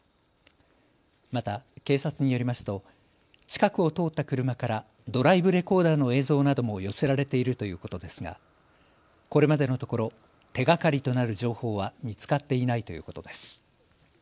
また警察によりますと近くを通った車からドライブレコーダーの映像なども寄せられているということですが、これまでのところ手がかりとなる情報は見つかっていないということです。